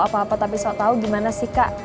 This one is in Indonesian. apa apa tapi sok tau gimana sih kak